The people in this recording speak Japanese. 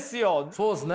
そうっすね。